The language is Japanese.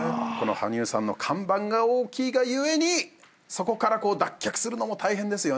羽生さんの看板が大きいが故にそこから脱却するのも大変ですよね。